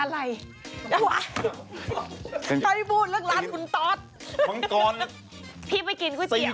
อันนี้ค่ะเป็นร้านแบบไม่จิตไม่ฝันลุ้นแหละเดี๋ยวดู